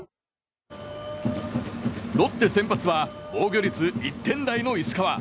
ロッテ先発は防御率１点台の石川。